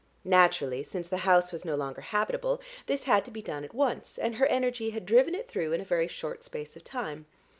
Naturally, since the house was no longer habitable, this had to be done at once, and her energy had driven it through in a very short space of time.